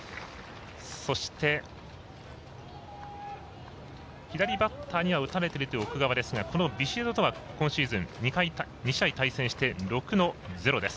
そして、左バッターには打たれている奥川ですがこのビシエドとは今シーズン２試合対戦して６の０です。